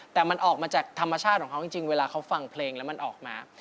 แต่มันออกมาจากธรรมชาติของเขาจริงเวลาเขาฟังเพลงแล้วมันออกมา